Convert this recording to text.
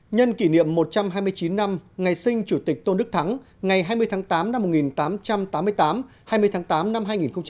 nhân kỷ niệm một trăm hai mươi chín năm ngày sinh chủ tịch tôn đức thắng ngày hai mươi tháng tám năm một nghìn tám trăm tám mươi tám hai mươi tháng tám năm hai nghìn một mươi chín